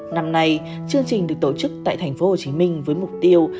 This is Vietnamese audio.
năm nay chương trình được tổ chức tại thành phố hồ chí minh với mục tiêu